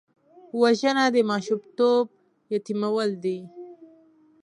وژنه د ماشومتوب یتیمول دي